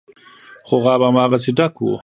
خو غاب هماغسې ډک و.